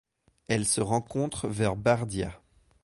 Elle se rencontre vers Bardia.